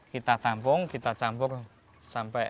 kita tampung kita campur sampai